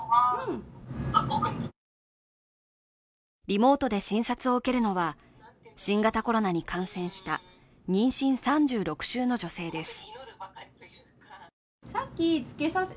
リモートで診察を受けるのは新型コロナに感染した妊娠３６週の女性です。